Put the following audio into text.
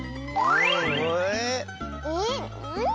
えっ。